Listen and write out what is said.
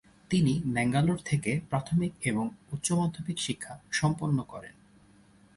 তিনি ম্যাঙ্গালোর থেকে প্রাথমিক এবং উচ্চমাধ্যমিক শিক্ষা সম্পন্ন করেন।